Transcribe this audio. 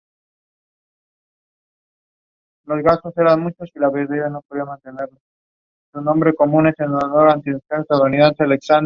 Se encuentra en la microrregión de Teresina, mesorregión del Centro-Norte Piauiense.